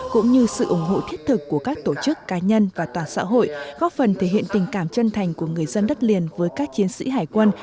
cũng như sự ủng hộ thiết thực của các tổ chức cá nhân và toàn xã hội góp phần thể hiện tình cảm chân thành của người dân đất liền với các chiến sĩ hải quân